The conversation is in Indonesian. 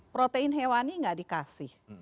protein hewani nggak dikasih